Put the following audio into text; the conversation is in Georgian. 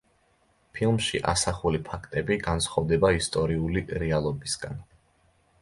ფილმში ასახული ფაქტები განსხვავდება ისტორიული რეალობისგან.